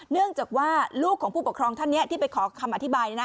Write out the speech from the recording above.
เนื่องจากว่าลูกของผู้ปกครองท่านนี้ที่ไปขอคำอธิบาย